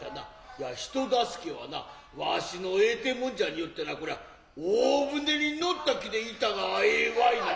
いや人助けはなわしの得手もんじゃによってなこりゃ大舟に乗った気でいたがええわいな。